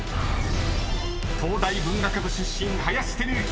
［東大文学部出身林輝幸］